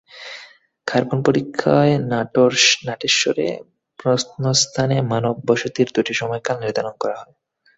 Carbon পরীক্ষায় নাটেশ্বরে প্রত্নস্থানে মানব বসতির দুটি সময়কাল নির্ধারণ করা হয়।